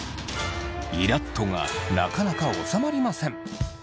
「イラっと」がなかなか収まりません。